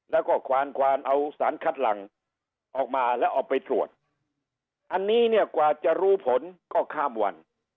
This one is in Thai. แล้วก็ควานควานเอาสารคัดหลังออกมาแล้วเอาไปตรวจอันนี้เนี่ยกว่าจะรู้ผลก็ข้ามวัน